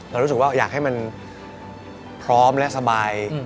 เรารู้สึกว่าอยากให้มันพร้อมและสบาย